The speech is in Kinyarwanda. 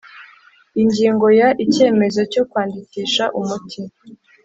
Ingingo ya Icyemezo cyo kwandikisha umuti